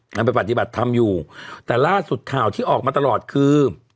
ยังไปปฏิบัติธรรมอยู่แต่ล่าสุดข่าวที่ออกมาตลอดคือ